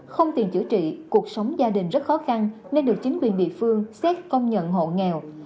không tiền chữa trị cuộc sống gia đình rất khó khăn nên được chính quyền địa phương xét công nhận hộ nghèo